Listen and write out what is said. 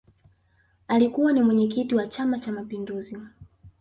Alikukwa ni mwenyekiki wa chama cha mapinguzi